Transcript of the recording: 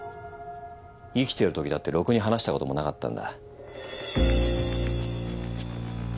生きてるときだってろくに話したこともなかったんだ。